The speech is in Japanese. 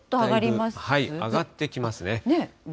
上がってきますね。